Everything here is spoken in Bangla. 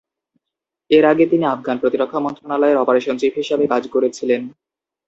এর আগে, তিনি আফগান প্রতিরক্ষা মন্ত্রণালয়ের অপারেশন চিফ হিসাবে কাজ করেছিলেন।